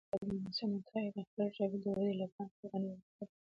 کانديد اکاډميسن عطایي د خپلې ژبې د ودې لپاره قربانۍ ورکړې دي.